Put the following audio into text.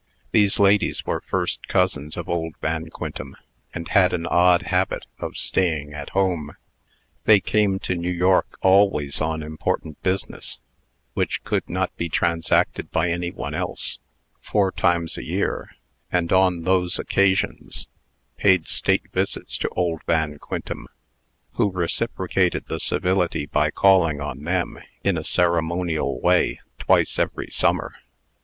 These ladies were first cousins of old Van Quintem, and had an odd habit of staying at home. They came to New York always on important business, which could not be transacted by any one else, four times a year; and, on those occasions, paid state visits to old Van Quintem, who reciprocated the civility by calling on them, in a ceremonial way, twice every summer.